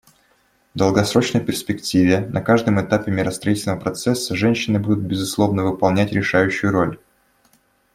В долгосрочной перспективе на каждом этапе миростроительного процесса женщины будут, безусловно, выполнять решающую роль.